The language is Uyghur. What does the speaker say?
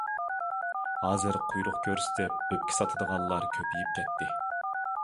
ھازىر قۇيرۇق كۆرسىتىپ ئۆپكە ساتىدىغانلار كۆپىيىپ كەتتى.